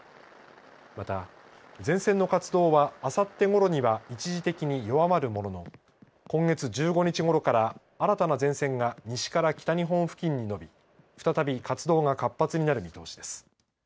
また、前線の活動はあさってごろには一時的に弱まるものの今月１５日ごろから新たな前線が西から北日本付近に延び再び活動が活発になる見通しです。